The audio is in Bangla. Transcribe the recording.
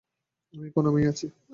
আমি এখনো আমিই আছি।